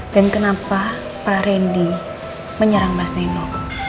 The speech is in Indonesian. dan kenapa pak randy menyerang mas nino